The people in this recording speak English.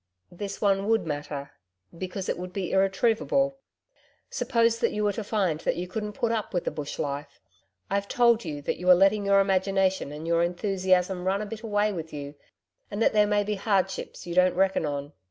'This one would matter because it would be irretrievable. Suppose that you were to find that you couldn't put up with the Bush life I've told you that you are letting your imagination and your enthusiasm run a bit away with you, and that there may be hardships you don't reckon on.